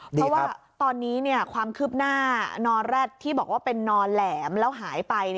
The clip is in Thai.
เพราะว่าตอนนี้ความคืบหน้านอแร็ดที่บอกว่าเป็นนอนแหลมแล้วหายไป